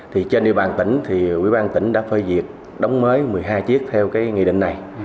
thì trên địa bàn tỉnh thì quỹ ban tỉnh đã phơi diệt đóng mới một mươi hai chiếc theo cái nghị định này